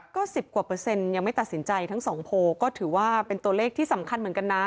ก็๑๐กว่าเปอร์เซ็นต์ยังไม่ตัดสินใจทั้งสองโพลก็ถือว่าเป็นตัวเลขที่สำคัญเหมือนกันนะ